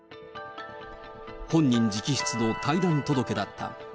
本人直筆の退団届だった。